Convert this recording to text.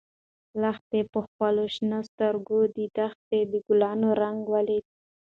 لښتې په خپلو شنه سترګو کې د دښتې د ګلانو رنګ ولید.